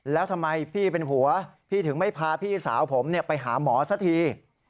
แล้วทำไมพี่เป็นหัวพี่ถึงไม่พาพี่สาวผมไปหาหมอสักที